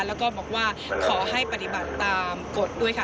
แล้วก็บอกว่าขอให้ปฏิบัติตามกฎด้วยค่ะ